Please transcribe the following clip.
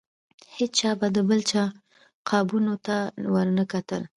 هیچا به د بل چا قابونو ته نه ورکتل.